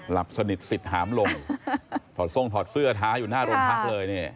หลับสนิทสิทธิ์หามลมถอดทรงถอดเสื้อท้าอยู่หน้าโรงพักเลยเนี่ย